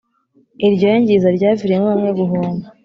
iryo yangiza ryaviriyemo bamwe guhomba